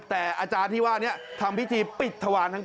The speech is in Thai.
แต่อาจารย์ที่ว่านี้ทำพิธีปิดทวารทั้ง๙